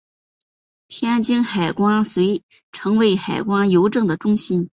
天津海关遂成为海关邮政的中心。